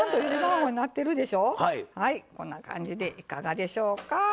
こんな感じでいかがでしょうか？